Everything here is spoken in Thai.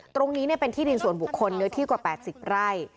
ตรงนี้เป็นที่ดินส่วนบุคคลเนื้อที่กว่า๘๐ไร่